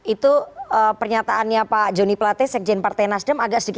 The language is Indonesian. itu pernyataannya pak joni platis sekjen partai nasdem